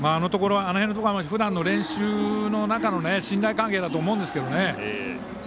あの辺のところは非常に練習の中の信頼関係だと思うんですけどね。